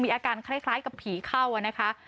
มีอาการคล้ายกับผีเข้า